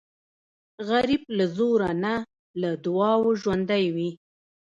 غریب له زوره نه، له دعاو ژوندی وي